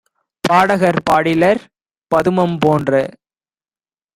பாடகர் பாடிலர்! பதுமம் போன்ற